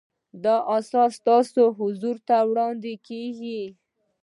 دا اثر ستاسو حضور ته وړاندې کیږي.